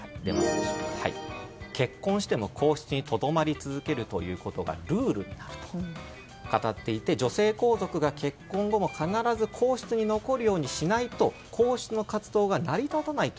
結婚しても皇室にとどまり続けるということがルールになると語っていて女性皇族が結婚後も必ず皇室に残るようにしないと皇室の活動が成り立たないと。